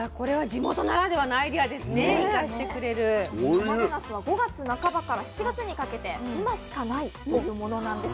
たまげなすは５月半ばから７月にかけて今しかないというものなんです。